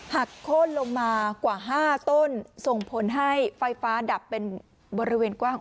โค้นลงมากว่า๕ต้นส่งผลให้ไฟฟ้าดับเป็นบริเวณกว้าง